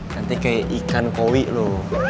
nanti kayak ikan kowi loh